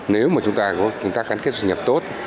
nếu mà chúng ta có công tác gắn kết thu nhập tốt